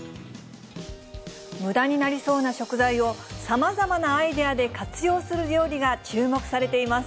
むだになりそうな食材を、さまざまなアイデアで活用する料理が注目されています。